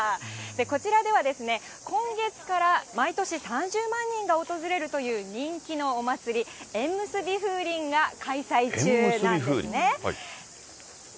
こちらでは、今月から毎年３０万人が訪れるという人気のお祭り、縁むすび風鈴が開催中なんですね。